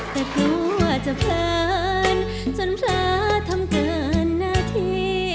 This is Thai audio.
แต่กลัวจะเพลินจนเธอทำเกินหน้าที่